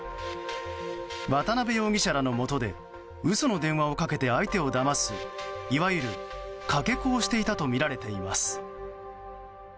渡邉容疑者らのもとで嘘の電話をかけて相手をだますいわゆる、かけ子をしていたとみられています。